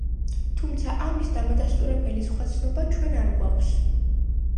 თუმცა ამის დამადასტურებელი სხვა ცნობა ჩვენ არ გვაქვს.